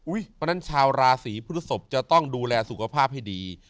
เพราะฉะนั้นชาวราศีพฤศพจะต้องดูแลสุขภาพให้ดี